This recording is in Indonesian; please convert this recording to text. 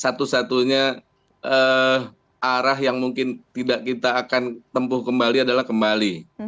satu satunya arah yang mungkin tidak kita akan tempuh kembali adalah kembali